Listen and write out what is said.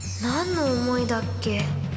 何の思いだっけ？